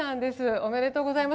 おめでとうございます。